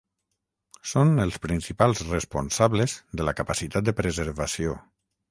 Són els principals responsables de la capacitat de preservació.